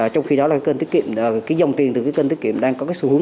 trong khi đó dòng tiền từ kênh tiết kiệm đang có sự hướng dẫn